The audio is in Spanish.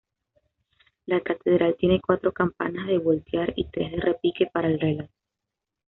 La catedral tiene cuatro campanas de voltear y tres de repique para el reloj.